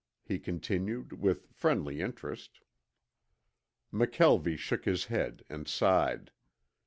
he continued with friendly interest. McKelvie shook his head and sighed.